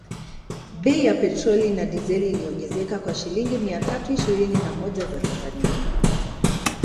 Bei ya petroli na dizeli iliongezeka kwa shilingi mia tatu ishirini na moja za Tanzania ( dola kumi na nne) hadi shilingi elfu mbili mia nane sitini na moja za Tanzania